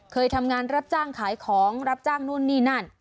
เคยทำงานรับจ้างขายของรับจ้างนู่นนี่นั่น